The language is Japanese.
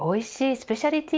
スペシャルティ